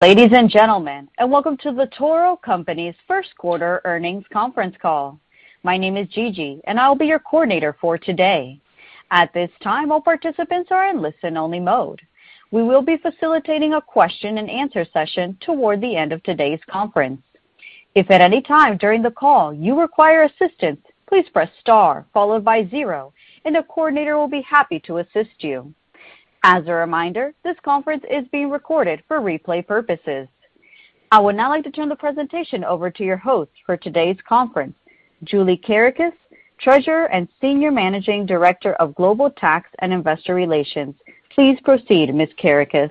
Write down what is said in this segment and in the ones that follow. Ladies and gentlemen, welcome to The Toro Company's first quarter earnings conference call. My name is Gigi, and I'll be your coordinator for today. At this time, all participants are in listen-only mode. We will be facilitating a question-and-answer session toward the end of today's conference. If at any time during the call you require assistance, please press star followed by 0, and a coordinator will be happy to assist you. As a reminder, this conference is being recorded for replay purposes. I would now like to turn the presentation over to your host for today's conference, Julie Kerekes, Treasurer and Senior Managing Director of Global Tax and Investor Relations. Please proceed, Ms. Kerekes.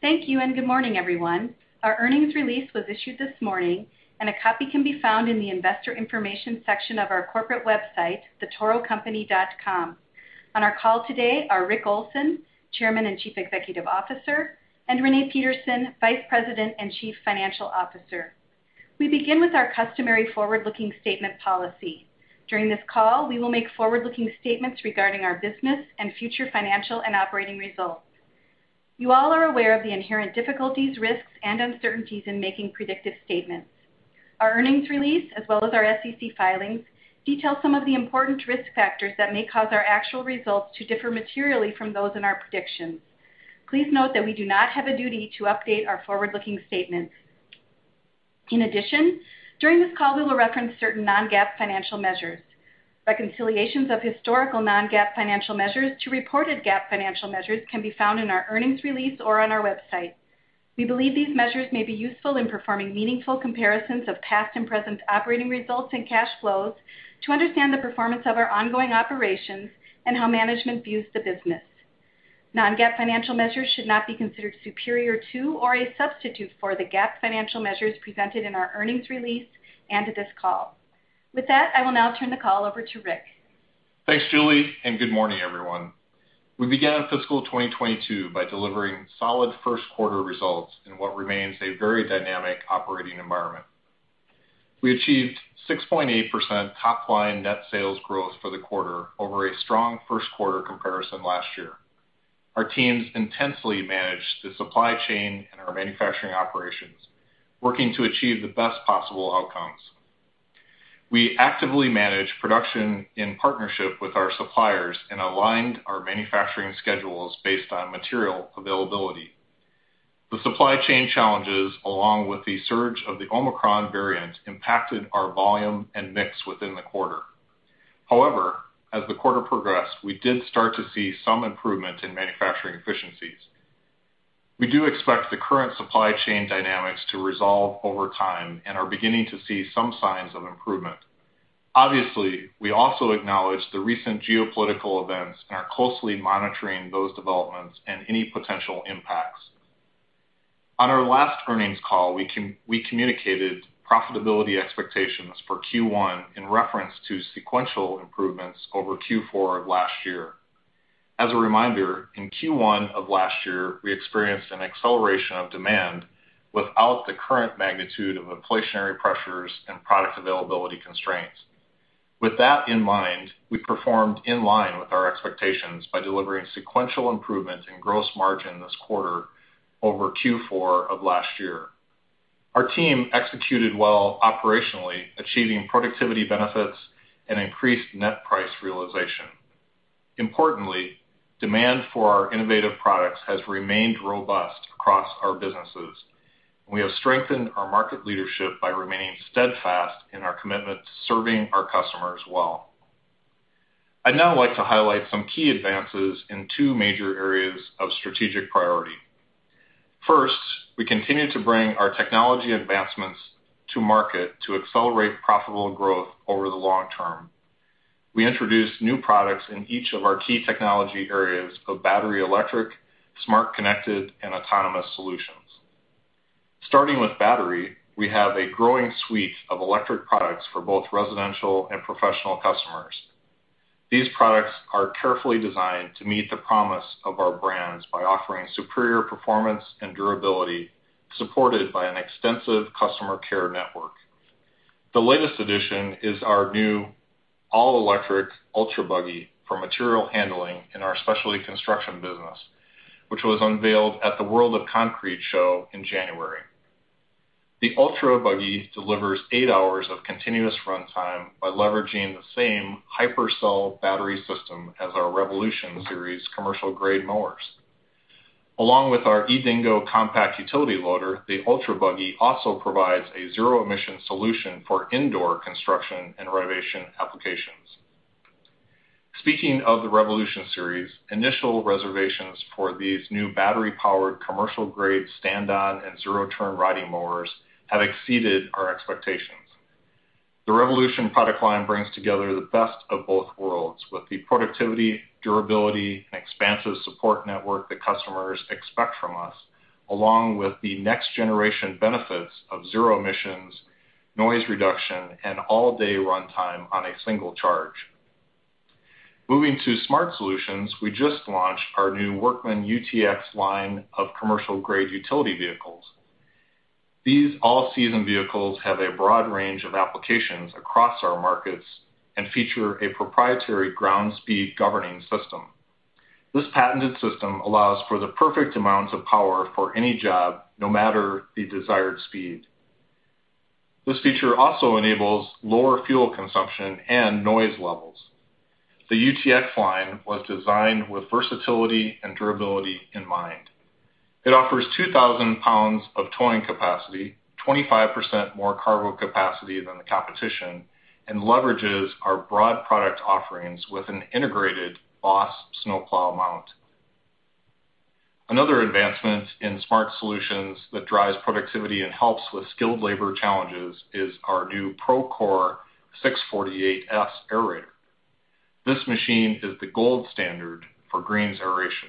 Thank you, and good morning, everyone. Our earnings release was issued this morning, and a copy can be found in the investor information section of our corporate website, thetorocompany.com. On our call today are Rick Olson, Chairman and Chief Executive Officer, and Renee Peterson, Vice President and Chief Financial Officer. We begin with our customary forward-looking statement policy. During this call, we will make forward-looking statements regarding our business and future financial and operating results. You all are aware of the inherent difficulties, risks, and uncertainties in making predictive statements. Our earnings release, as well as our SEC filings, detail some of the important risk factors that may cause our actual results to differ materially from those in our predictions. Please note that we do not have a duty to update our forward-looking statements. In addition, during this call, we will reference certain non-GAAP financial measures. Reconciliations of historical non-GAAP financial measures to reported GAAP financial measures can be found in our earnings release or on our website. We believe these measures may be useful in performing meaningful comparisons of past and present operating results and cash flows to understand the performance of our ongoing operations and how management views the business. Non-GAAP financial measures should not be considered superior to or a substitute for the GAAP financial measures presented in our earnings release and at this call. With that, I will now turn the call over to Rick. Thanks, Julie, and good morning, everyone. We began fiscal 2022 by delivering solid first quarter results in what remains a very dynamic operating environment. We achieved 6.8% top-line net sales growth for the quarter over a strong first quarter comparison last year. Our teams intensely managed the supply chain and our manufacturing operations, working to achieve the best possible outcomes. We actively manage production in partnership with our suppliers and aligned our manufacturing schedules based on material availability. The supply chain challenges, along with the surge of the Omicron variant, impacted our volume and mix within the quarter. However, as the quarter progressed, we did start to see some improvement in manufacturing efficiencies. We do expect the current supply chain dynamics to resolve over time and are beginning to see some signs of improvement. Obviously, we also acknowledge the recent geopolitical events and are closely monitoring those developments and any potential impacts. On our last earnings call, we communicated profitability expectations for Q1 in reference to sequential improvements over Q4 of last year. As a reminder, in Q1 of last year, we experienced an acceleration of demand without the current magnitude of inflationary pressures and product availability constraints. With that in mind, we performed in line with our expectations by delivering sequential improvement in gross margin this quarter over Q4 of last year. Our team executed well operationally, achieving productivity benefits and increased net price realization. Importantly, demand for our innovative products has remained robust across our businesses. We have strengthened our market leadership by remaining steadfast in our commitment to serving our customers well. I'd now like to highlight some key advances in two major areas of strategic priority. First, we continue to bring our technology advancements to market to accelerate profitable growth over the long term. We introduced new products in each of our key technology areas of battery, electric, smart, connected, and autonomous solutions. Starting with battery, we have a growing suite of electric products for both residential and professional customers. These products are carefully designed to meet the promise of our brands by offering superior performance and durability, supported by an extensive customer care network. The latest addition is our new all-electric Ultra Buggy for material handling in our specialty construction business, which was unveiled at the World of Concrete show in January. The Ultra Buggy delivers eight hours of continuous runtime by leveraging the same HyperCell battery system as our Revolution Series commercial-grade mowers. Along with our eDingo compact utility loader, the Ultra Buggy also provides a zero-emission solution for indoor construction and renovation applications. Speaking of the Revolution Series, initial reservations for these new battery-powered commercial-grade stand-on and zero-turn riding mowers have exceeded our expectations. The Revolution product line brings together the best of both worlds with the productivity, durability, and expansive support network that customers expect from us, along with the next-generation benefits of zero-emissions, noise reduction, and all-day runtime on a single charge. Moving to smart solutions, we just launched our new Workman UTX line of commercial-grade utility vehicles. These all-season vehicles have a broad range of applications across our markets and feature a proprietary ground speed governing system. This patented system allows for the perfect amounts of power for any job, no matter the desired speed. This feature also enables lower fuel consumption and noise levels. The UTX line was designed with versatility and durability in mind. It offers 2,000 pounds of towing capacity, 25% more cargo capacity than the competition, and leverages our broad product offerings with an integrated BOSS snowplow mount. Another advancement in smart solutions that drives productivity and helps with skilled labor challenges is our new ProCore 648s aerator. This machine is the gold standard for greens aeration.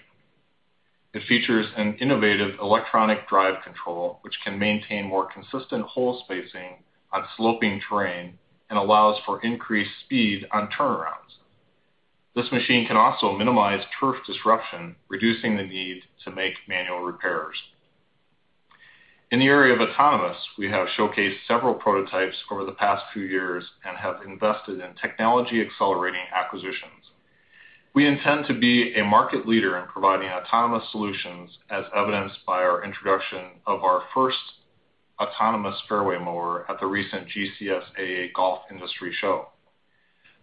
It features an innovative electronic drive control, which can maintain more consistent hole spacing on sloping terrain and allows for increased speed on turnarounds. This machine can also minimize turf disruption, reducing the need to make manual repairs. In the area of autonomous, we have showcased several prototypes over the past few years and have invested in technology accelerating acquisitions. We intend to be a market leader in providing autonomous solutions, as evidenced by our introduction of our first autonomous fairway mower at the recent GCSAA Golf Industry Show.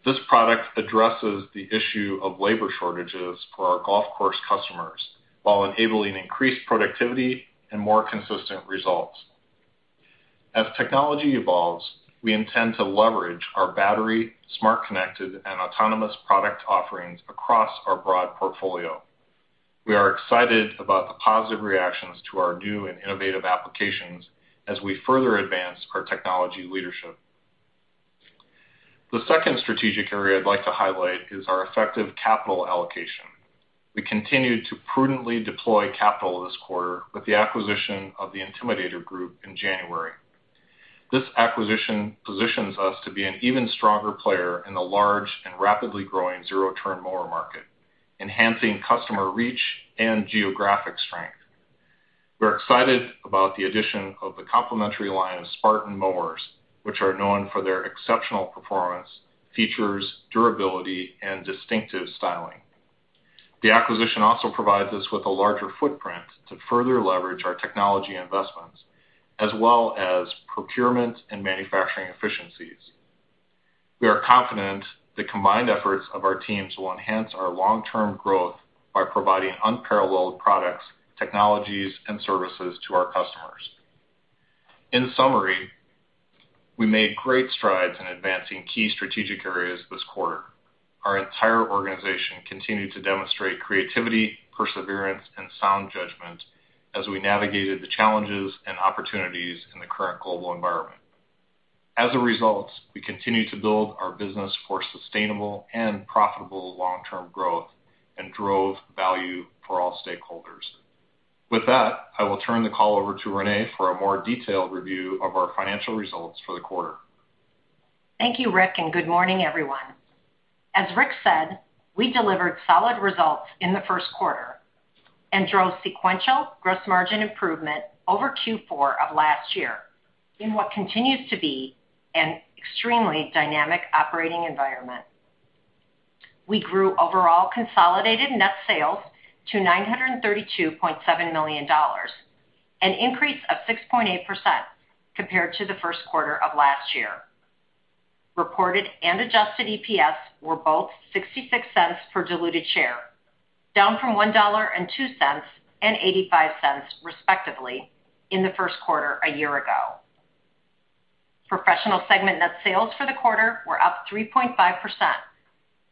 This product addresses the issue of labor shortages for our golf course customers while enabling increased productivity and more consistent results. As technology evolves, we intend to leverage our battery, smart connected, and autonomous product offerings across our broad portfolio. We are excited about the positive reactions to our new and innovative applications as we further advance our technology leadership. The second strategic area I'd like to highlight is our effective capital allocation. We continued to prudently deploy capital this quarter with the acquisition of the Intimidator Group in January. This acquisition positions us to be an even stronger player in the large and rapidly growing zero-turn mower market, enhancing customer reach and geographic strength. We're excited about the addition of the complementary line of Spartan Mowers, which are known for their exceptional performance, features, durability, and distinctive styling. The acquisition also provides us with a larger footprint to further leverage our technology investments as well as procurement and manufacturing efficiencies. We are confident the combined efforts of our teams will enhance our long-term growth by providing unparalleled products, technologies, and services to our customers. In summary, we made great strides in advancing key strategic areas this quarter. Our entire organization continued to demonstrate creativity, perseverance, and sound judgment as we navigated the challenges and opportunities in the current global environment. As a result, we continue to build our business for sustainable and profitable long-term growth and drove value for all stakeholders. With that, I will turn the call over to Renee for a more detailed review of our financial results for the quarter. Thank you, Rick, and good morning, everyone. As Rick said, we delivered solid results in the first quarter and drove sequential gross margin improvement over Q4 of last year in what continues to be an extremely dynamic operating environment. We grew overall consolidated net sales to $932.7 million, an increase of 6.8% compared to the first quarter of last year. Reported and adjusted EPS were both $0.66 per diluted share, down from $1.02 and $0.85, respectively, in the first quarter a year ago. Professional segment net sales for the quarter were up 3.5%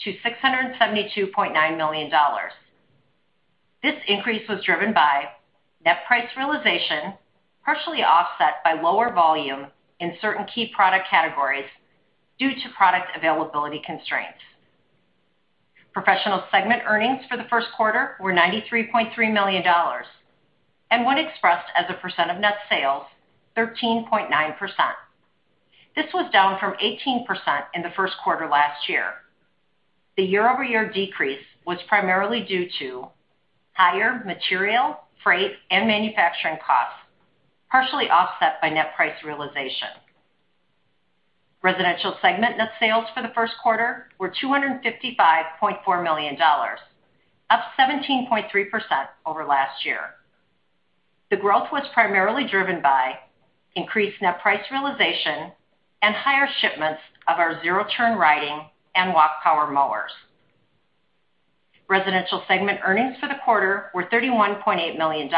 to $672.9 million. This increase was driven by net price realization, partially offset by lower volume in certain key product categories due to product availability constraints. Professional segment earnings for the first quarter were $93.3 million, and when expressed as a percent of net sales, 13.9%. This was down from 18% in the first quarter last year. The year-over-year decrease was primarily due to higher material, freight, and manufacturing costs, partially offset by net price realization. Residential segment net sales for the first quarter were $255.4 million, up 17.3% over last year. The growth was primarily driven by increased net price realization and higher shipments of our zero-turn riding and walk-behind power mowers. Residential segment earnings for the quarter were $31.8 million,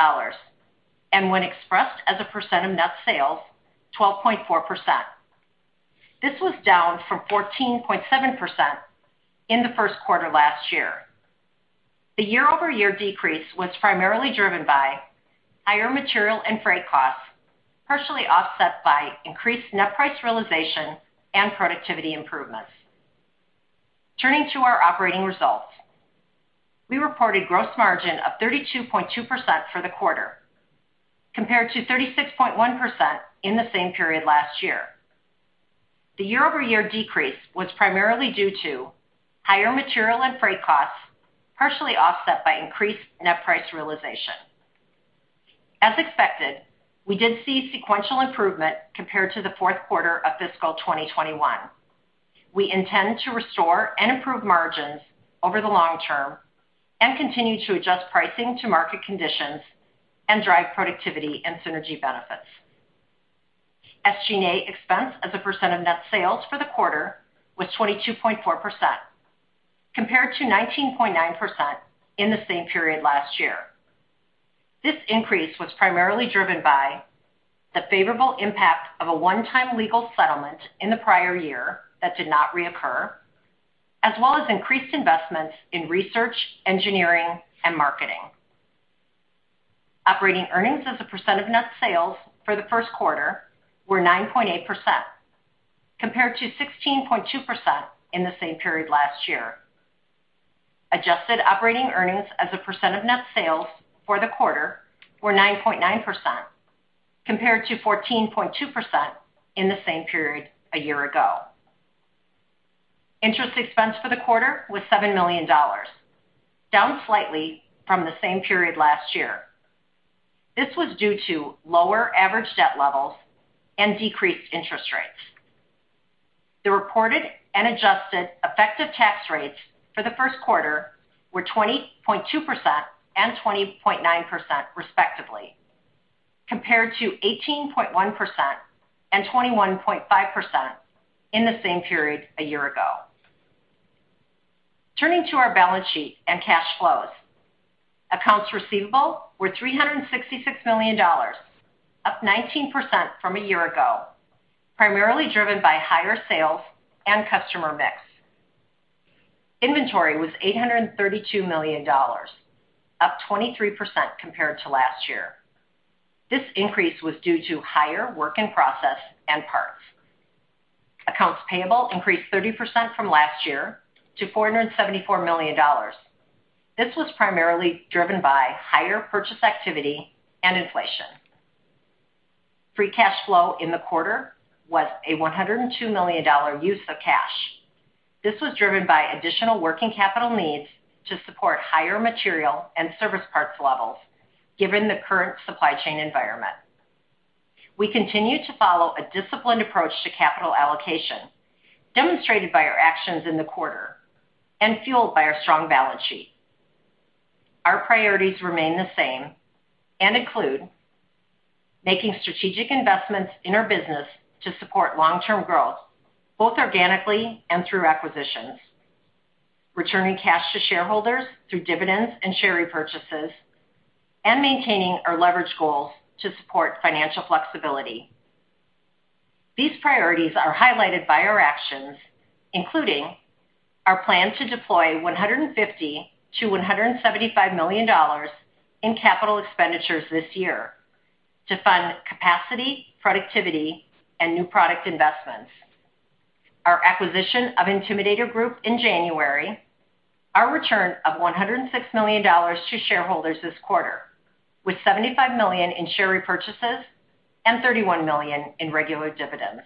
and when expressed as a percent of net sales, 12.4%. This was down from 14.7% in the first quarter last year. The year-over-year decrease was primarily driven by higher material and freight costs, partially offset by increased net price realization and productivity improvements. Turning to our operating results. We reported gross margin of 32.2% for the quarter, compared to 36.1% in the same period last year. The year-over-year decrease was primarily due to higher material and freight costs, partially offset by increased net price realization. As expected, we did see sequential improvement compared to the fourth quarter of fiscal 2021. We intend to restore and improve margins over the long term and continue to adjust pricing to market conditions and drive productivity and synergy benefits. SG&A expense as a percent of net sales for the quarter was 22.4%, compared to 19.9% in the same period last year. This increase was primarily driven by the favorable impact of a one-time legal settlement in the prior year that did not reoccur, as well as increased investments in research, engineering, and marketing. Operating earnings as a percent of net sales for the first quarter were 9.8%, compared to 16.2% in the same period last year. Adjusted operating earnings as a percent of net sales for the quarter were 9.9%, compared to 14.2% in the same period a year ago. Interest expense for the quarter was $7 million, down slightly from the same period last year. This was due to lower average debt levels and decreased interest rates. The reported and adjusted effective tax rates for the first quarter were 20.2% and 20.9% respectively, compared to 18.1% and 21.5% in the same period a year ago. Turning to our balance sheet and cash flows. Accounts receivable were $366 million, up 19% from a year ago, primarily driven by higher sales and customer mix. Inventory was $832 million, up 23% compared to last year. This increase was due to higher work in process and parts. Accounts payable increased 30% from last year to $474 million. This was primarily driven by higher purchase activity and inflation. Free cash flow in the quarter was a $102 million use of cash. This was driven by additional working capital needs to support higher material and service parts levels given the current supply chain environment. We continue to follow a disciplined approach to capital allocation, demonstrated by our actions in the quarter and fueled by our strong balance sheet. Our priorities remain the same and include making strategic investments in our business to support long-term growth, both organically and through acquisitions, returning cash to shareholders through dividends and share repurchases, and maintaining our leverage goals to support financial flexibility. These priorities are highlighted by our actions, including our plan to deploy $150 million-$175 million in capital expenditures this year to fund capacity, productivity, and new product investments. Our acquisition of Intimidator Group in January, our return of $106 million to shareholders this quarter, with $75 million in share repurchases and $31 million in regular dividends.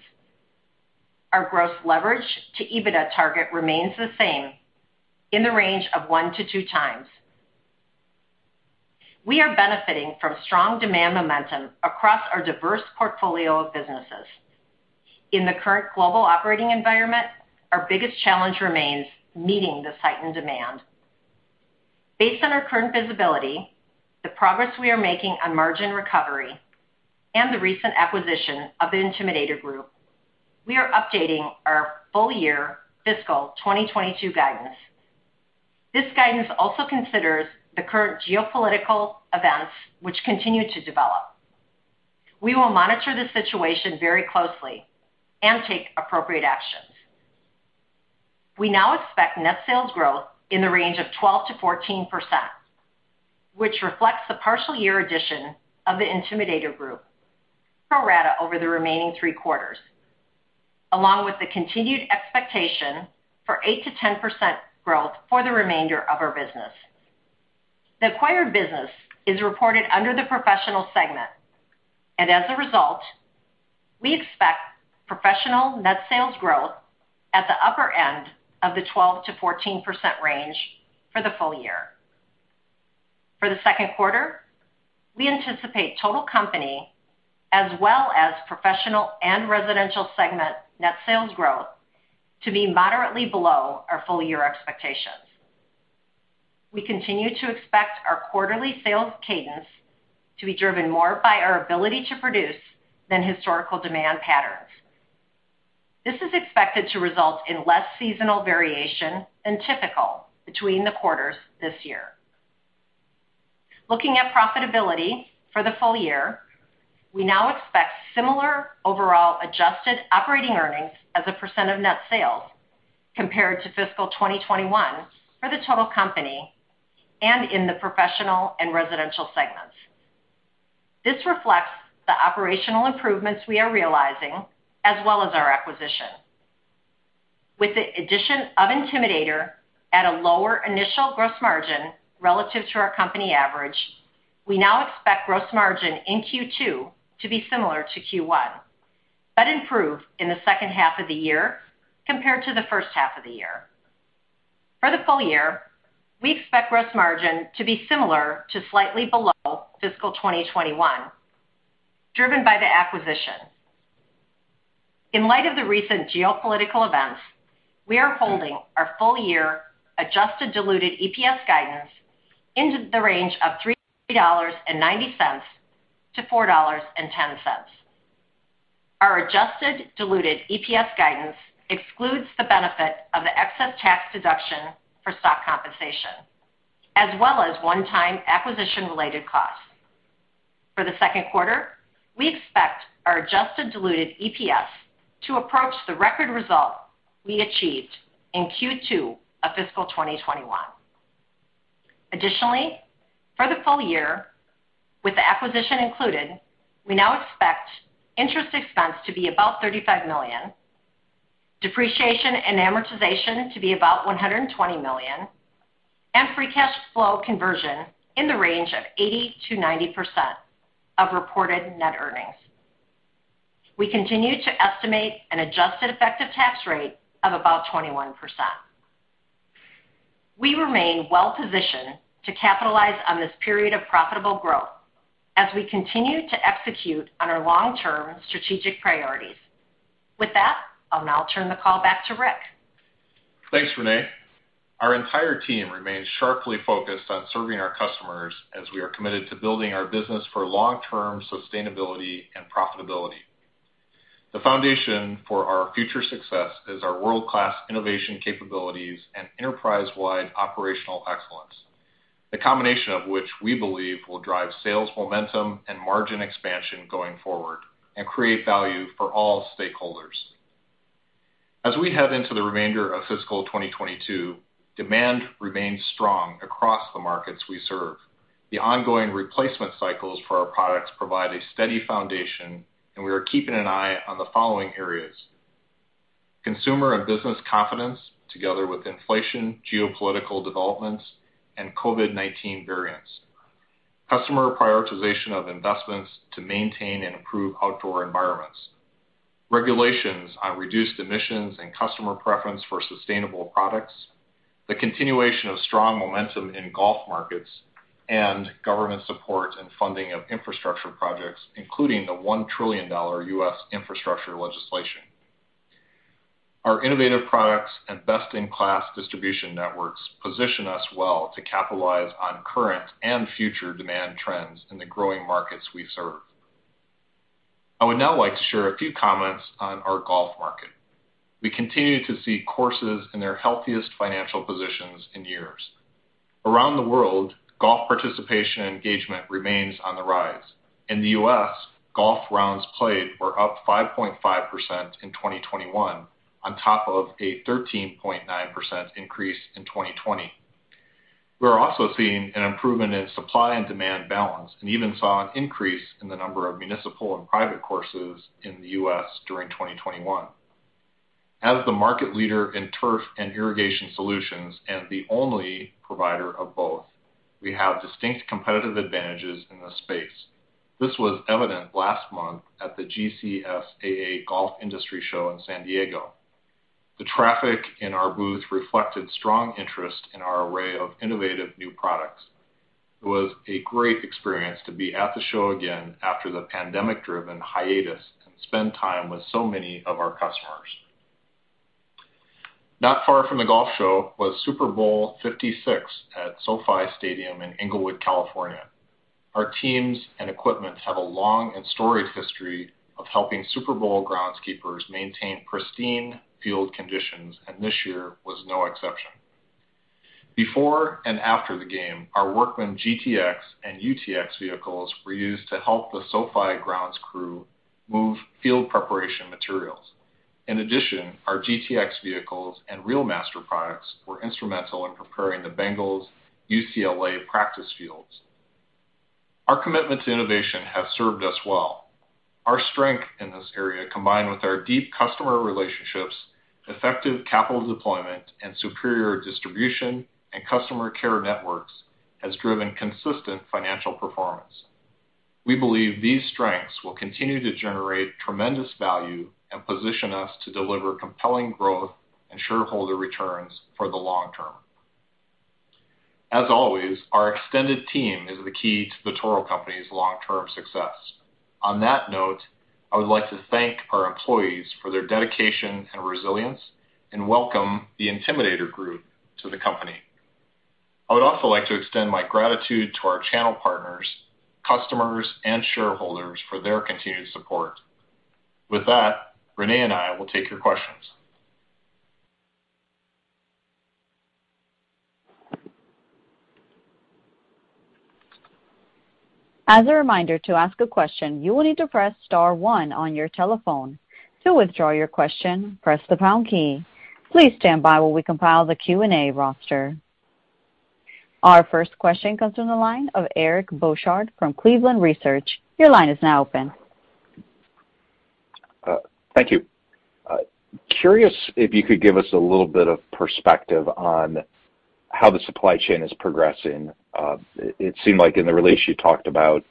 Our gross leverage to EBITDA target remains the same in the range of 1-2x. We are benefiting from strong demand momentum across our diverse portfolio of businesses. In the current global operating environment, our biggest challenge remains meeting this heightened demand. Based on our current visibility, the progress we are making on margin recovery and the recent acquisition of the Intimidator Group, we are updating our full-year fiscal 2022 guidance. This guidance also considers the current geopolitical events which continue to develop. We will monitor the situation very closely and take appropriate actions. We now expect net sales growth in the range of 12%-14%, which reflects the partial year addition of the Intimidator Group, pro rata over the remaining three quarters, along with the continued expectation for 8%-10% growth for the remainder of our business. The acquired business is reported under the Professional segment. As a result, we expect Professional net sales growth at the upper end of the 12%-14% range for the full year. For the second quarter, we anticipate total company as well as Professional and Residential segment net sales growth to be moderately below our full year expectations. We continue to expect our quarterly sales cadence to be driven more by our ability to produce than historical demand patterns. This is expected to result in less seasonal variation than typical between the quarters this year. Looking at profitability for the full year, we now expect similar overall adjusted operating earnings as a percent of net sales compared to fiscal 2021 for the total company and in the Professional and Residential segments. This reflects the operational improvements we are realizing as well as our acquisition. With the addition of Intimidator at a lower initial gross margin relative to our company average, we now expect gross margin in Q2 to be similar to Q1, but improve in the second half of the year compared to the first half of the year. For the full year, we expect gross margin to be similar to or slightly below fiscal 2021, driven by the acquisition. In light of the recent geopolitical events, we are holding our full year adjusted diluted EPS guidance in the range of $3.90-$4.10. Our adjusted diluted EPS guidance excludes the benefit of the excess tax deduction for stock compensation, as well as one-time acquisition-related costs. For the second quarter, we expect our adjusted diluted EPS to approach the record result we achieved in Q2 of fiscal 2021. Additionally, for the full year, with the acquisition included, we now expect interest expense to be about $35 million, depreciation and amortization to be about $120 million, and free cash flow conversion in the range of 80%-90% of reported net earnings. We continue to estimate an adjusted effective tax rate of about 21%. We remain well positioned to capitalize on this period of profitable growth as we continue to execute on our long-term strategic priorities. With that, I'll now turn the call back to Rick. Thanks, Renee. Our entire team remains sharply focused on serving our customers as we are committed to building our business for long-term sustainability and profitability. The foundation for our future success is our world-class innovation capabilities and enterprise-wide operational excellence, the combination of which we believe will drive sales momentum and margin expansion going forward and create value for all stakeholders. As we head into the remainder of fiscal 2022, demand remains strong across the markets we serve. The ongoing replacement cycles for our products provide a steady foundation, and we are keeping an eye on the following areas, consumer and business confidence, together with inflation, geopolitical developments, and COVID-19 variants, customer prioritization of investments to maintain and improve outdoor environments, regulations on reduced emissions and customer preference for sustainable products, the continuation of strong momentum in golf markets and government support and funding of infrastructure projects, including the $1 trillion U.S. infrastructure legislation. Our innovative products and best-in-class distribution networks position us well to capitalize on current and future demand trends in the growing markets we serve. I would now like to share a few comments on our golf market. We continue to see courses in their healthiest financial positions in years. Around the world, golf participation engagement remains on the rise. In the U.S., golf rounds played were up 5.5% in 2021 on top of a 13.9% increase in 2020. We're also seeing an improvement in supply and demand balance, and even saw an increase in the number of municipal and private courses in the U.S. during 2021. As the market leader in turf and irrigation solutions and the only provider of both, we have distinct competitive advantages in this space. This was evident last month at the GCSAA Golf Industry Show in San Diego. The traffic in our booth reflected strong interest in our array of innovative new products. It was a great experience to be at the show again after the pandemic-driven hiatus and spend time with so many of our customers. Not far from the golf show was Super Bowl LVI at SoFi Stadium in Inglewood, California. Our teams and equipment have a long and storied history of helping Super Bowl groundskeepers maintain pristine field conditions, and this year was no exception. Before and after the game, our Workman GTX and Workman UTX vehicles were used to help the SoFi grounds crew move field preparation materials. In addition, our Workman GTX vehicles and Reelmaster products were instrumental in preparing the Bengals UCLA practice fields. Our commitment to innovation have served us well. Our strength in this area, combined with our deep customer relationships, effective capital deployment, and superior distribution and customer care networks, has driven consistent financial performance. We believe these strengths will continue to generate tremendous value and position us to deliver compelling growth and shareholder returns for the long term. As always, our extended team is the key to The Toro Company's long-term success. On that note, I would like to thank our employees for their dedication and resilience and welcome the Intimidator Group to the company. I would also like to extend my gratitude to our channel partners, customers, and shareholders for their continued support. With that, Renee and I will take your questions. As a reminder, to ask a question, you will need to press star one on your telephone. To withdraw your question, press the pound key. Please stand by while we compile the Q&A roster. Our first question comes from the line of Eric Bosshard from Cleveland Research. Your line is now open. Thank you. Curious if you could give us a little bit of perspective on how the supply chain is progressing. It seemed like in the release you talked about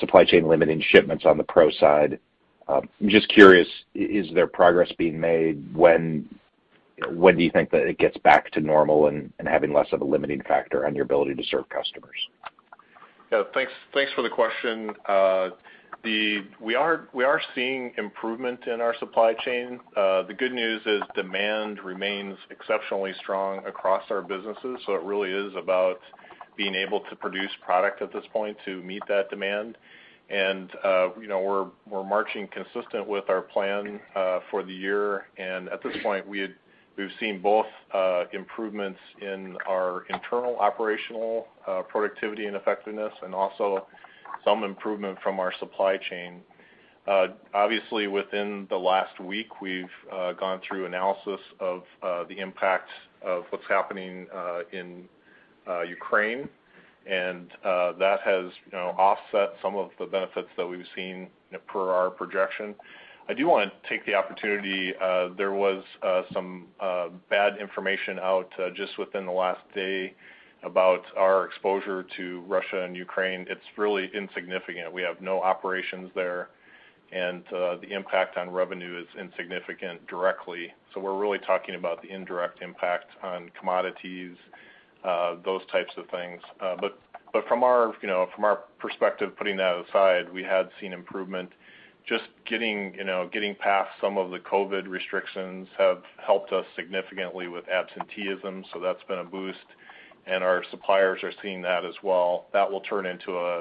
supply chain limiting shipments on the pro side. I'm just curious, is there progress being made? When do you think that it gets back to normal and having less of a limiting factor on your ability to serve customers? Thanks for the question. We are seeing improvement in our supply chain. The good news is demand remains exceptionally strong across our businesses, so it really is about being able to produce product at this point to meet that demand. You know, we're marching consistent with our plan for the year. At this point we've seen both improvements in our internal operational productivity and effectiveness and also some improvement from our supply chain. Obviously, within the last week, we've gone through analysis of the impact of what's happening in Ukraine. That has, you know, offset some of the benefits that we've seen per our projection. I do wanna take the opportunity, there was some bad information out just within the last day about our exposure to Russia and Ukraine. It's really insignificant. We have no operations there, and the impact on revenue is insignificant directly. We're really talking about the indirect impact on commodities, those types of things. But from our, you know, from our perspective, putting that aside, we had seen improvement. Just getting, you know, getting past some of the COVID restrictions have helped us significantly with absenteeism, that's been a boost, and our suppliers are seeing that as well. That will turn into a,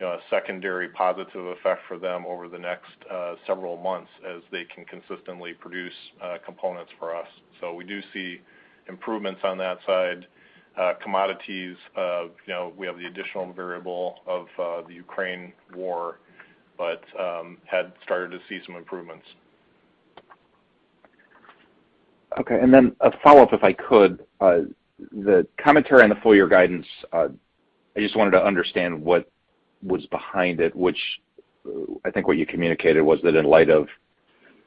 you know, a secondary positive effect for them over the next several months as they can consistently produce components for us. We do see improvements on that side. Commodities, you know, we have the additional variable of the Ukraine war, but had started to see some improvements. Okay. A follow-up, if I could. The commentary on the full year guidance, I just wanted to understand what was behind it, which I think what you communicated was that in light of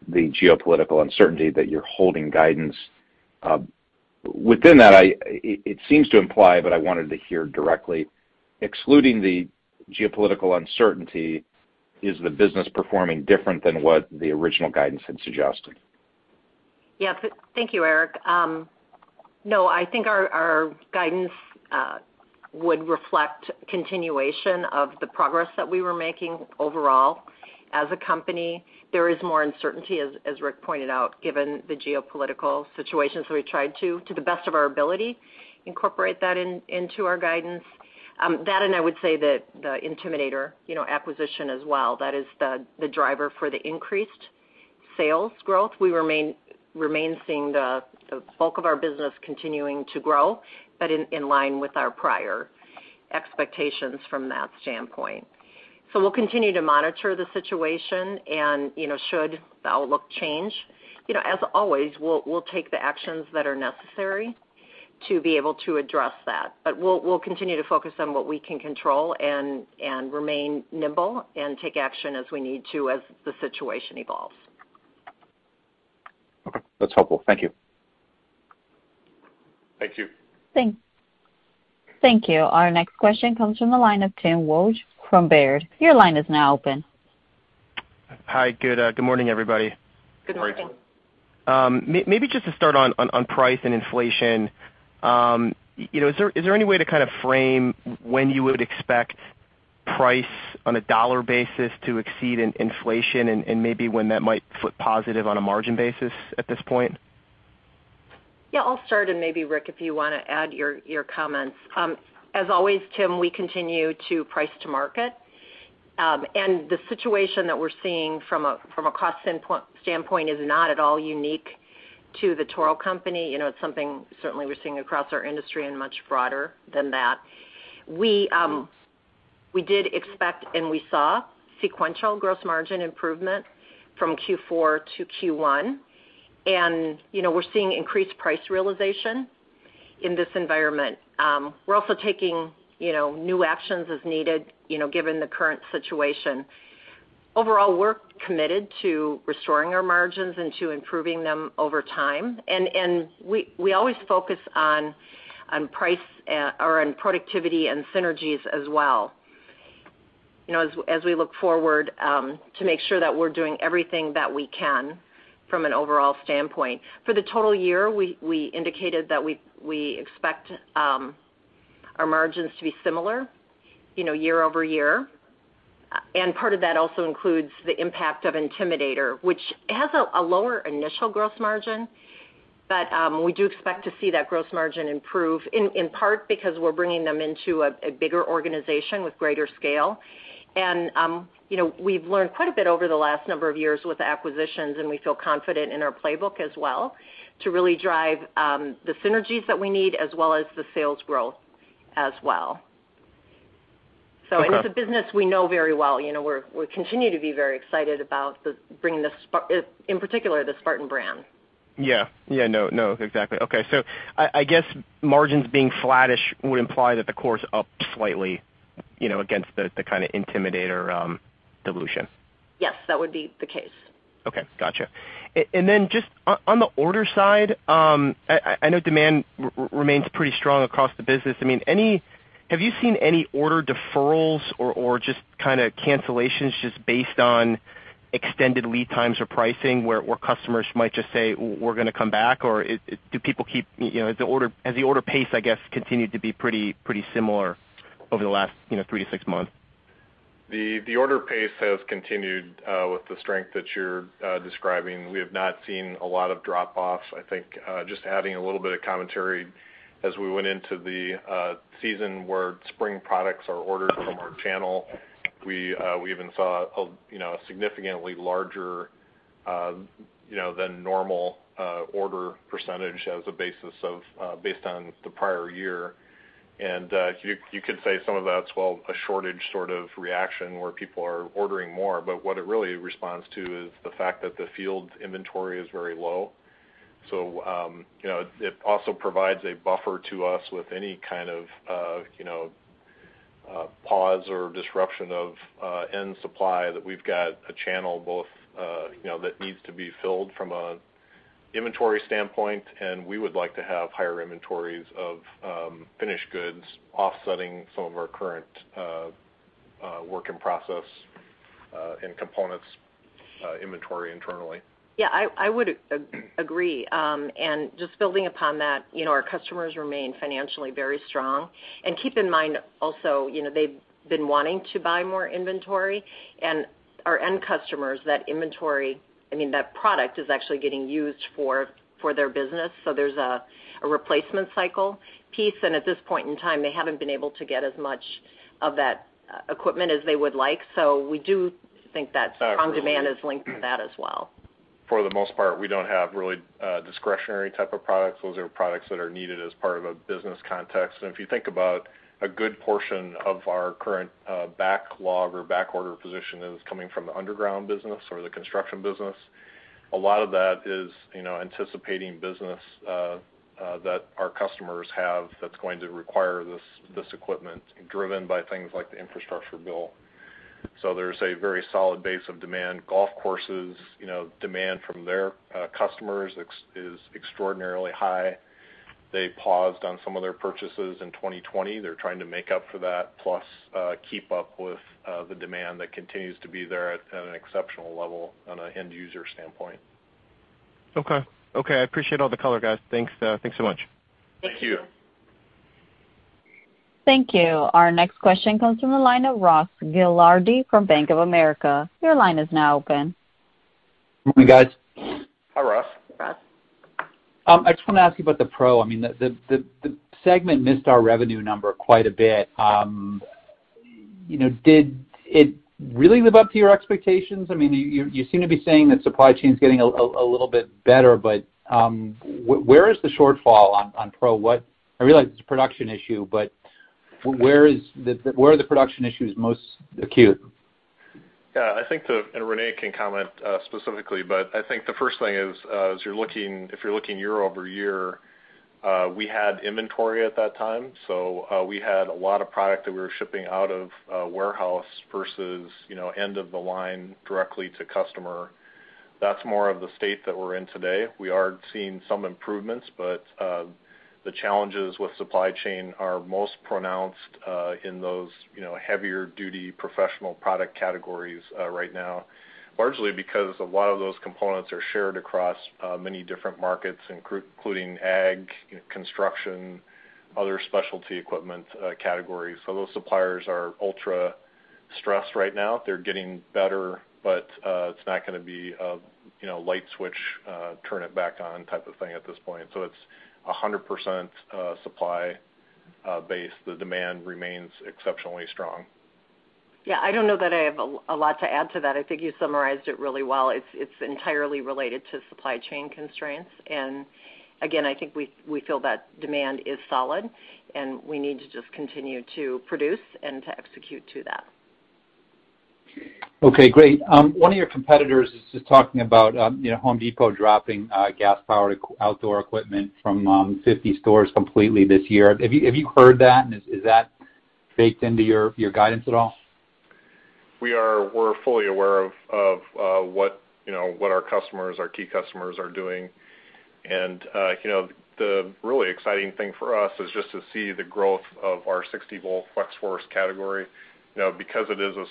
the geopolitical uncertainty that you're holding guidance. Within that, it seems to imply, but I wanted to hear directly, excluding the geopolitical uncertainty, is the business performing different than what the original guidance had suggested? Thank you, Eric. No, I think our guidance would reflect continuation of the progress that we were making overall as a company. There is more uncertainty, as Rick pointed out, given the geopolitical situation. We tried to the best of our ability incorporate that into our guidance. That, and I would say that the Intimidator acquisition as well, that is the driver for the increased sales growth. We remain seeing the bulk of our business continuing to grow, but in line with our prior expectations from that standpoint. We'll continue to monitor the situation and, you know, should the outlook change, you know, as always, we'll take the actions that are necessary to be able to address that. We'll continue to focus on what we can control and remain nimble and take action as we need to as the situation evolves. Okay. That's helpful. Thank you. Thank you. Thank you. Our next question comes from the line of Tim Wojs from Baird. Your line is now open. Hi, good morning, everybody. Good morning. Morning. Maybe just to start on price and inflation, you know, is there any way to kind of frame when you would expect price on a dollar basis to exceed inflation and maybe when that might flip positive on a margin basis at this point? Yeah, I'll start, and maybe Rick, if you wanna add your comments. As always, Tim, we continue to price to market. The situation that we're seeing from a cost input standpoint is not at all unique to The Toro Company. You know, it's something certainly we're seeing across our industry and much broader than that. We did expect and we saw sequential gross margin improvement from Q4 to Q1. You know, we're seeing increased price realization in this environment. We're also taking, you know, new actions as needed, you know, given the current situation. Overall, we're committed to restoring our margins and to improving them over time. We always focus on price or on productivity and synergies as well, you know, as we look forward to make sure that we're doing everything that we can from an overall standpoint. For the total year, we indicated that we expect our margins to be similar, you know, year-over-year. Part of that also includes the impact of Intimidator, which has a lower initial gross margin, but we do expect to see that gross margin improve in part because we're bringing them into a bigger organization with greater scale. You know, we've learned quite a bit over the last number of years with acquisitions, and we feel confident in our playbook as well to really drive the synergies that we need as well as the sales growth as well. It's a business we know very well. You know, we're, we continue to be very excited about bringing, in particular, the Spartan brand. Yeah. No, exactly. Okay. I guess margins being flattish would imply that the core is up slightly, you know, against the kind of Intimidator dilution. Yes, that would be the case. Okay. Gotcha. Just on the order side, I know demand remains pretty strong across the business. I mean, have you seen any order deferrals or just kinda cancellations just based on extended lead times or pricing where customers might just say, "We're gonna come back," or do people keep, you know, has the order pace, I guess, continued to be pretty similar over the last, you know, three to six months? The order pace has continued with the strength that you're describing. We have not seen a lot of drop-offs. I think just adding a little bit of commentary as we went into the season where spring products are ordered from our channel, we even saw a you know a significantly larger you know than normal order percentage as a basis of based on the prior year. You could say some of that's well a shortage sort of reaction where people are ordering more, but what it really responds to is the fact that the field inventory is very low. You know, it also provides a buffer to us with any kind of, you know, pause or disruption in supply that we've got a channel that needs to be filled from an inventory standpoint, and we would like to have higher inventories of finished goods offsetting some of our current work in process and components inventory internally. Yeah, I would agree. Just building upon that, you know, our customers remain financially very strong. Keep in mind also, you know, they've been wanting to buy more inventory, and our end customers, that inventory, I mean, that product is actually getting used for their business, so there's a replacement cycle piece. At this point in time, they haven't been able to get as much of that equipment as they would like. We do think that strong demand is linked to that as well. For the most part, we don't have really, discretionary type of products. Those are products that are needed as part of a business context. If you think about a good portion of our current backlog or back order position is coming from the underground business or the construction business. A lot of that is, you know, anticipating business that our customers have that's going to require this equipment driven by things like the infrastructure bill. There's a very solid base of demand. Golf courses, you know, demand from their customers is extraordinarily high. They paused on some of their purchases in 2020. They're trying to make up for that, plus keep up with the demand that continues to be there at an exceptional level on an end user standpoint. Okay. I appreciate all the color, guys. Thanks, thanks so much. Thank you. Thank you. Thank you. Our next question comes from the line of Ross Gilardi from Bank of America. Your line is now open. Good morning, guys. Hi, Ross. Ross. I just wanna ask you about the Pro. The segment missed our revenue number quite a bit. You know, did it really live up to your expectations? I mean, you seem to be saying that supply chain's getting a little bit better, but where is the shortfall on Pro? I realize it's a production issue, but where are the production issues most acute? Yeah. I think, and Renee can comment specifically, but I think the first thing is, as you're looking, if you're looking year-over-year, we had inventory at that time. So, we had a lot of product that we were shipping out of a warehouse versus, you know, end of the line directly to customer. That's more of the state that we're in today. We are seeing some improvements, but, the challenges with supply chain are most pronounced, in those, you know, heavier duty professional product categories, right now, largely because a lot of those components are shared across, many different markets, including Ag, construction, other specialty equipment, categories. So those suppliers are ultra stressed right now. They're getting better, but it's not gonna be a, you know, light switch turn it back on type of thing at this point. It's 100% supply base. The demand remains exceptionally strong. Yeah. I don't know that I have a lot to add to that. I think you summarized it really well. It's entirely related to supply chain constraints. Again, I think we feel that demand is solid, and we need to just continue to produce and to execute to that. Okay, great. One of your competitors is just talking about, you know, Home Depot dropping gas-powered outdoor equipment from 50 stores completely this year. Have you heard that? Is that baked into your guidance at all? We're fully aware of what our customers, our key customers are doing. The really exciting thing for us is just to see the growth of our 60-volt Flex-Force category. Because it is a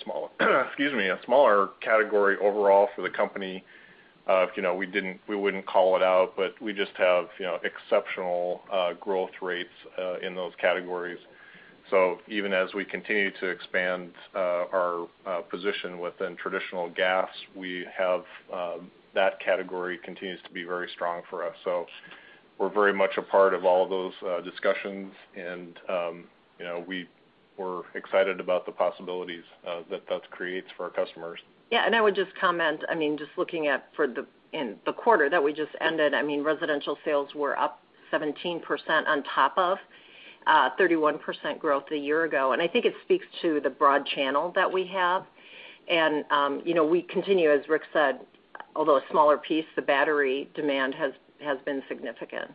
smaller category overall for the company, we wouldn't call it out, but we just have exceptional growth rates in those categories. Even as we continue to expand our position within traditional gas, that category continues to be very strong for us. We're very much a part of all of those discussions and we're excited about the possibilities that creates for our customers. Yeah. I would just comment, I mean, just looking at the quarter that we just ended, I mean, residential sales were up 17% on top of 31% growth a year ago. I think it speaks to the broad channel that we have. You know, we continue, as Rick said, although a smaller piece, the battery demand has been significant.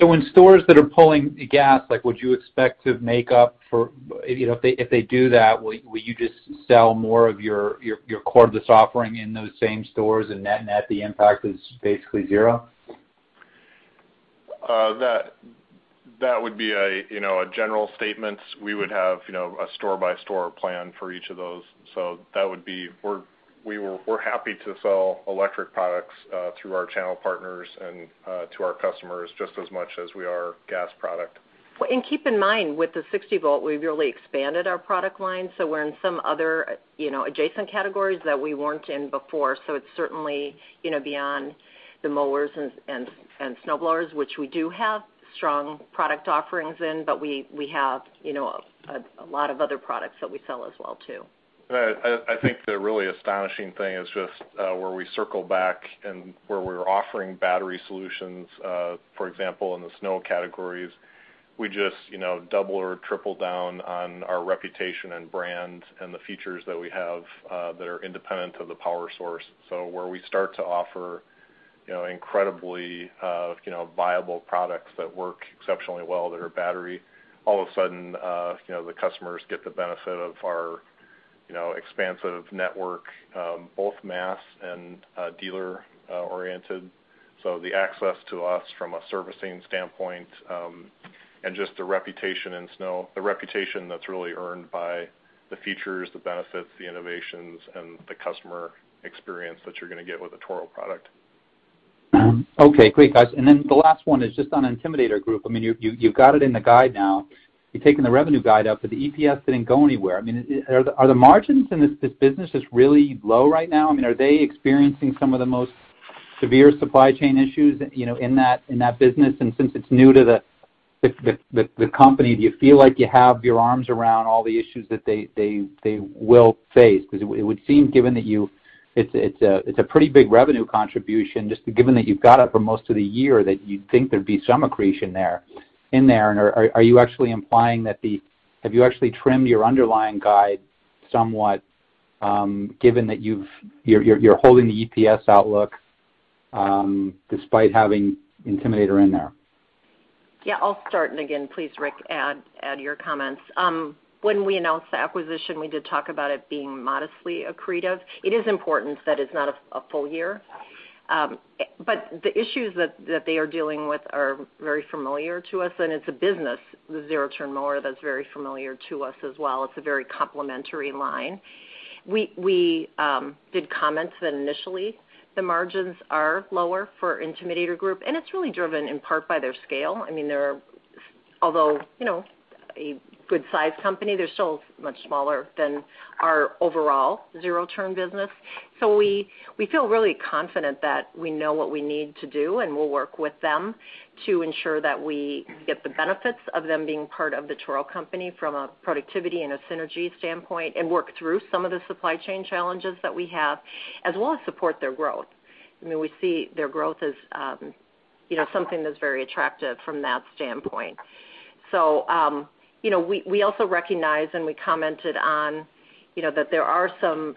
When stores that are pulling gas, like would you expect to make up for, you know, if they do that, will you just sell more of your cordless offering in those same stores and net the impact is basically 0? That would be a, you know, a general statement. We would have, you know, a store-by-store plan for each of those. That would be we're happy to sell electric products through our channel partners and to our customers just as much as we are gas product. Keep in mind, with the 60-volt, we've really expanded our product line. We're in some other, you know, adjacent categories that we weren't in before. It's certainly, you know, beyond the mowers and snowblowers, which we do have strong product offerings in, but we have, you know, a lot of other products that we sell as well too. I think the really astonishing thing is just where we circle back and where we're offering battery solutions, for example, in the snow categories. We just, you know, double or triple down on our reputation and brand and the features that we have that are independent of the power source. Where we start to offer, you know, incredibly, you know, viable products that work exceptionally well that are battery, all of a sudden, you know, the customers get the benefit of our, you know, expansive network, both mass and dealer oriented. The access to us from a servicing standpoint, and just the reputation in snow, the reputation that's really earned by the features, the benefits, the innovations, and the customer experience that you're gonna get with a Toro product. Okay, great, guys. The last one is just on Intimidator Group. I mean, you've got it in the guide now. You've taken the revenue guide up, but the EPS didn't go anywhere. I mean, are the margins in this business really low right now? I mean, are they experiencing some of the most severe supply chain issues, you know, in that business? Since it's new to the company, do you feel like you have your arms around all the issues that they will face? Because it would seem given that it's a pretty big revenue contribution, just given that you've got it for most of the year that you'd think there'd be some accretion there. Have you actually trimmed your underlying guide somewhat, given that you're holding the EPS outlook, despite having Intimidator in there? Yeah, I'll start, and again, please, Rick, add your comments. When we announced the acquisition, we did talk about it being modestly accretive. It is important that it's not a full year. The issues that they are dealing with are very familiar to us, and it's a business, the zero-turn mower, that's very familiar to us as well. It's a very complementary line. We did comment that initially the margins are lower for Intimidator Group, and it's really driven in part by their scale. I mean, they're although, you know, a good size company, they're still much smaller than our overall zero-turn business. We feel really confident that we know what we need to do, and we'll work with them to ensure that we get the benefits of them being part of The Toro Company from a productivity and a synergy standpoint and work through some of the supply chain challenges that we have, as well as support their growth. I mean, we see their growth as, you know, something that's very attractive from that standpoint. You know, we also recognize and we commented on, you know, that there are some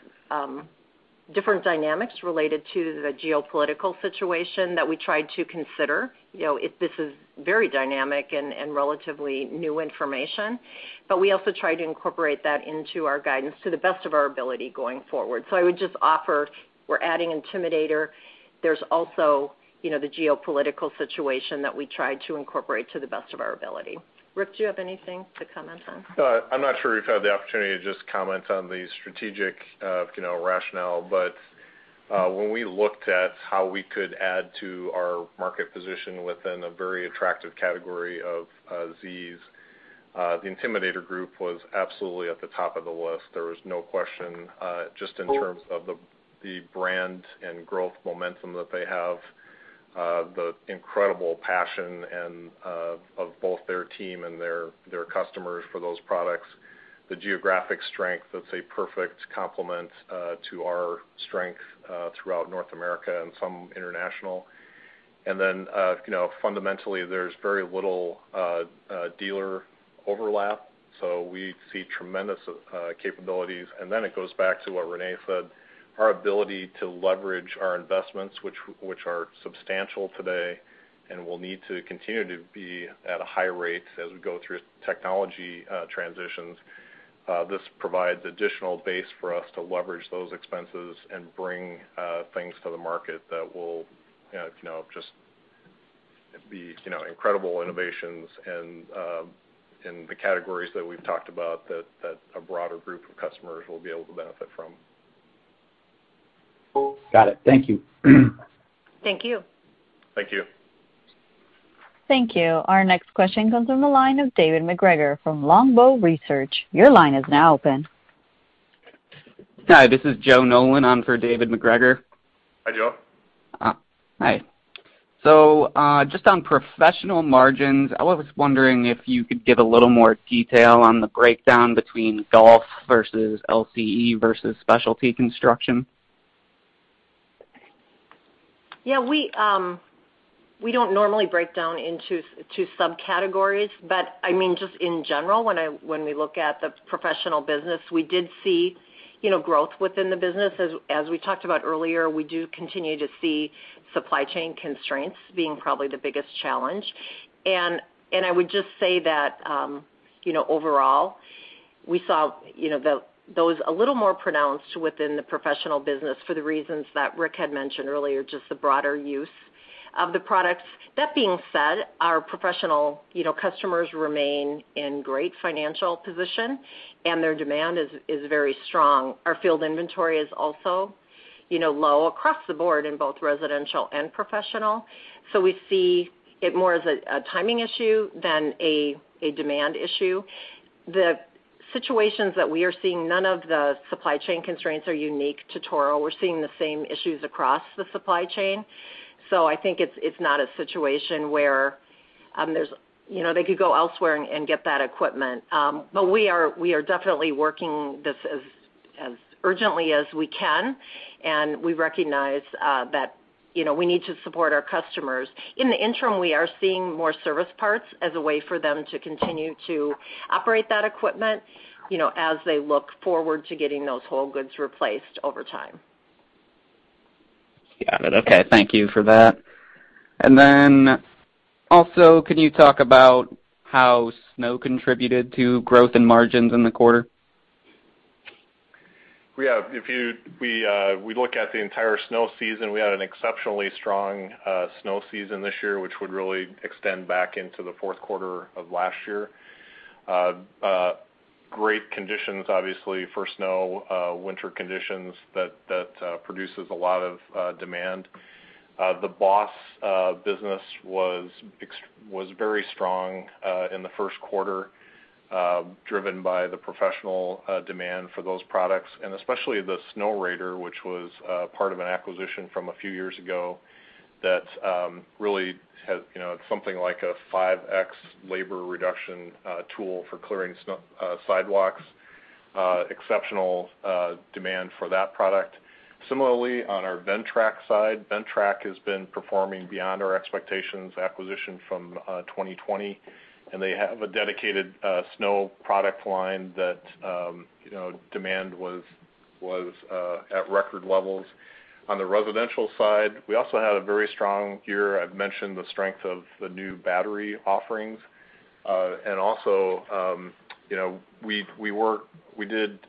different dynamics related to the geopolitical situation that we tried to consider, you know. This is very dynamic and relatively new information, but we also try to incorporate that into our guidance to the best of our ability going forward. I would just offer we're adding Intimidator. There's also, you know, the geopolitical situation that we try to incorporate to the best of our ability. Rick, do you have anything to comment on? I'm not sure we've had the opportunity to just comment on the strategic, you know, rationale. When we looked at how we could add to our market position within a very attractive category of Z's, the Intimidator Group was absolutely at the top of the list. There was no question just in terms of the brand and growth momentum that they have, the incredible passion and of both their team and their customers for those products, the geographic strength that's a perfect complement to our strength throughout North America and some international. You know, fundamentally, there's very little dealer overlap, so we see tremendous capabilities. It goes back to what Renee said, our ability to leverage our investments, which are substantial today and will need to continue to be at a high rate as we go through technology transitions. This provides additional base for us to leverage those expenses and bring things to the market that will, you know, just be, you know, incredible innovations and in the categories that we've talked about that a broader group of customers will be able to benefit from. Got it. Thank you. Thank you. Thank you. Thank you. Our next question comes from the line of David MacGregor from Longbow Research. Your line is now open. Hi, this is Joe Nolan on for David MacGregor. Hi, Joe. Hi. Just on professional margins, I was wondering if you could give a little more detail on the breakdown between golf versus LCE versus specialty construction? Yeah, we don't normally break down into our two subcategories, but I mean, just in general, when we look at the professional business, we did see, you know, growth within the business. As we talked about earlier, we do continue to see supply chain constraints being probably the biggest challenge. I would just say that, you know, overall, we saw, you know, those a little more pronounced within the professional business for the reasons that Rick had mentioned earlier, just the broader use of the products. That being said, our professional customers remain in great financial position, and their demand is very strong. Our field inventory is also, you know, low across the board in both residential and professional. We see it more as a timing issue than a demand issue. The situations that we are seeing, none of the supply chain constraints are unique to Toro. We're seeing the same issues across the supply chain. So I think it's not a situation where they could go elsewhere and get that equipment. We are definitely working this as urgently as we can, and we recognize that you know, we need to support our customers. In the interim, we are seeing more service parts as a way for them to continue to operate that equipment, you know, as they look forward to getting those whole goods replaced over time. Got it. Okay. Thank you for that. Also, can you talk about how snow contributed to growth and margins in the quarter? We have. We look at the entire snow season, we had an exceptionally strong snow season this year, which would really extend back into the fourth quarter of last year. Great conditions, obviously, for snow, winter conditions that produces a lot of demand. The BOSS business was very strong in the first quarter, driven by the professional demand for those products, and especially the Snowrator, which was part of an acquisition from a few years ago that really has, you know, something like a 5x labor reduction tool for clearing snow sidewalks. Exceptional demand for that product. Similarly, on our Ventrac side, Ventrac has been performing beyond our expectations, acquisition from 2020, and they have a dedicated snow product line that, you know, demand was at record levels. On the residential side, we also had a very strong year. I've mentioned the strength of the new battery offerings. And also, you know, we did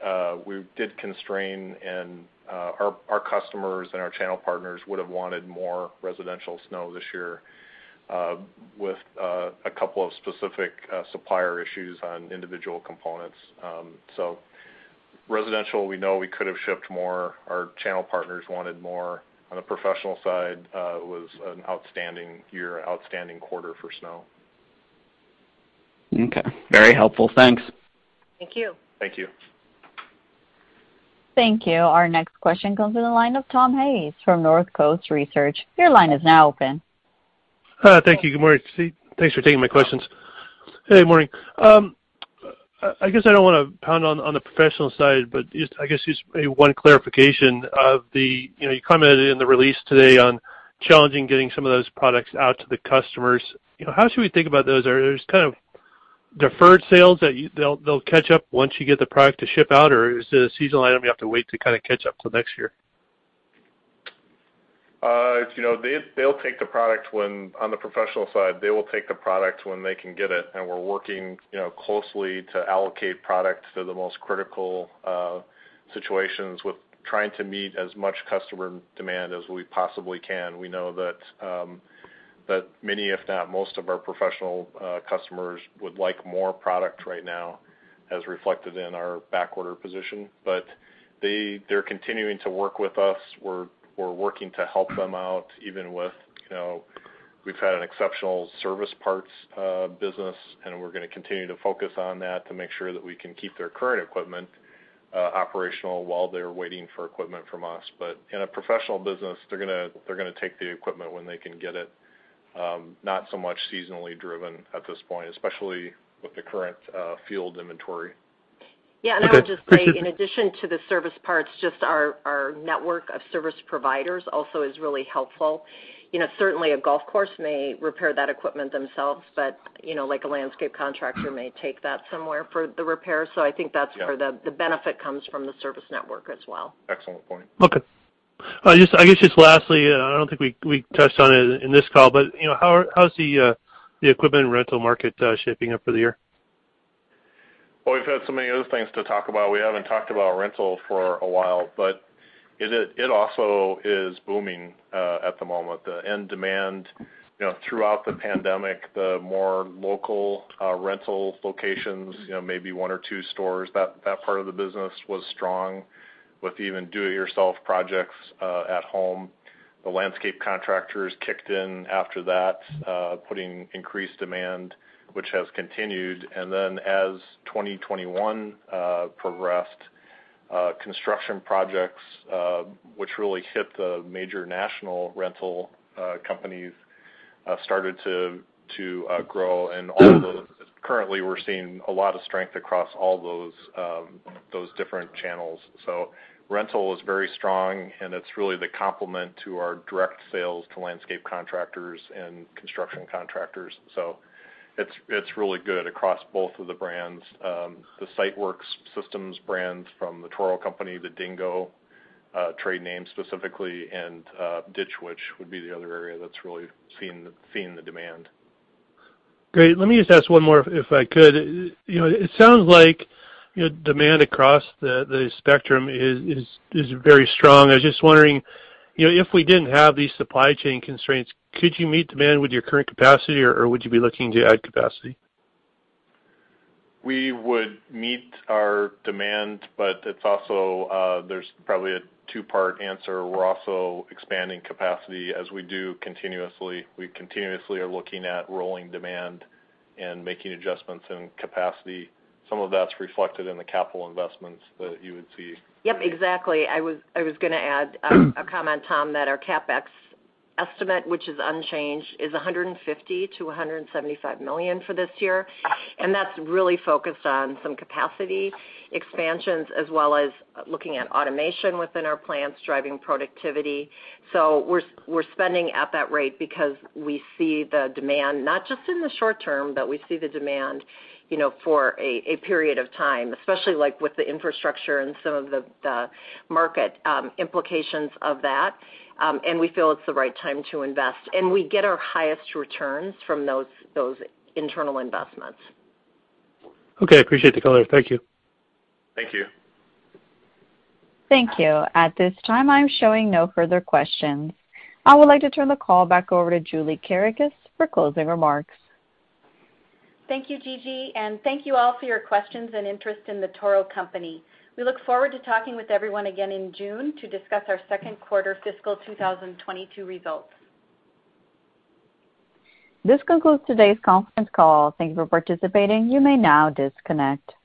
constrain, and our customers and our channel partners would have wanted more residential snow this year, with a couple of specific supplier issues on individual components. So residential, we know we could have shipped more. Our channel partners wanted more. On the professional side, it was an outstanding year, outstanding quarter for snow. Okay. Very helpful. Thanks. Thank you. Thank you. Thank you. Our next question comes in the line of Tom Hayes from Northcoast Research. Your line is now open. Hi. Thank you. Good morning. Thanks for taking my questions. Hey, morning. I guess I don't wanna pound on the professional side, but I guess just maybe one clarification of the. You know, you commented in the release today on challenges getting some of those products out to the customers. You know, how should we think about those? Are those kind of deferred sales that they'll catch up once you get the product to ship out, or is it a seasonal item you have to wait to kinda catch up till next year? It's, you know, they'll take the product when on the professional side, they will take the product when they can get it, and we're working, you know, closely to allocate product to the most critical situations while trying to meet as much customer demand as we possibly can. We know that many, if not most of our professional customers would like more product right now as reflected in our back order position. But they're continuing to work with us. We're working to help them out even with, you know, we've had an exceptional service parts business, and we're gonna continue to focus on that to make sure that we can keep their current equipment operational while they're waiting for equipment from us. In a professional business, they're gonna take the equipment when they can get it, not so much seasonally driven at this point, especially with the current field inventory. Yeah. I would just say in addition to the service parts, just our network of service providers also is really helpful. You know, certainly a golf course may repair that equipment themselves, but you know, like a landscape contractor may take that somewhere for the repair. I think that's where the benefit comes from the service network as well. Excellent point. Okay. Just, I guess, just lastly, I don't think we touched on it in this call, but, you know, how's the equipment rental market shaping up for the year? Well, we've had so many other things to talk about. We haven't talked about rental for a while, but it also is booming at the moment. The end demand, you know, throughout the pandemic, the more local rental locations, you know, maybe one or two stores, that part of the business was strong with even do-it-yourself projects at home. The landscape contractors kicked in after that, putting increased demand, which has continued. As 2021 progressed, construction projects, which really hit the major national rental companies, started to grow and all those. Currently, we're seeing a lot of strength across all those different channels. Rental is very strong, and it's really the complement to our direct sales to landscape contractors and construction contractors. It's really good across both of the brands. The Siteworks Systems brands from The Toro Company, the Dingo, trade name specifically, and Ditch Witch would be the other area that's really seeing the demand. Great. Let me just ask one more if I could. You know, it sounds like, you know, demand across the spectrum is very strong. I was just wondering, you know, if we didn't have these supply chain constraints, could you meet demand with your current capacity, or would you be looking to add capacity? We would meet our demand, but it's also, there's probably a two-part answer. We're also expanding capacity as we do continuously. We continuously are looking at rolling demand and making adjustments in capacity. Some of that's reflected in the capital investments that you would see. Yep, exactly. I was gonna add a comment, Tom, that our CapEx estimate, which is unchanged, is $150 million-$175 million for this year. That's really focused on some capacity expansions as well as looking at automation within our plants, driving productivity. We're spending at that rate because we see the demand, not just in the short term, but we see the demand, you know, for a period of time, especially like with the infrastructure and some of the market implications of that. We feel it's the right time to invest. We get our highest returns from those internal investments. Okay. Appreciate the color. Thank you. Thank you. Thank you. At this time, I'm showing no further questions. I would like to turn the call back over to Julie Kerekes for closing remarks. Thank you, Gigi, and thank you all for your questions and interest in The Toro Company. We look forward to talking with everyone again in June to discuss our second quarter fiscal 2022 results. This concludes today's conference call. Thank you for participating. You may now disconnect.